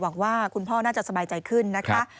หวังว่าคุณพ่อน่าจะสบายใจขึ้นนะคะ